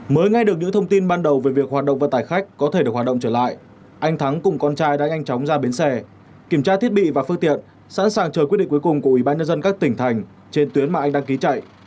mới nghe được những thông tin ban đầu về việc hoạt động vận tải khách có thể được hoạt động trở lại anh thắng cùng con trai đã nhanh chóng ra bến xe kiểm tra thiết bị và phương tiện sẵn sàng chờ quyết định cuối cùng của ủy ban nhân dân các tỉnh thành trên tuyến mà anh đăng ký chạy